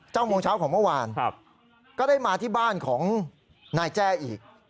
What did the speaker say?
โมงเช้าของเมื่อวานก็ได้มาที่บ้านของนายแจ้อีก